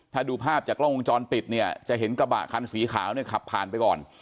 ถ้าดูภาพจากกล้องวงจรปิดเนี่ยจะเห็นกระบะคันสีขาวเนี่ยขับผ่านไปก่อน